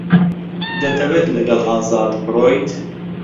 دەتەوێت لەگەڵ ئازاد بڕۆیت؟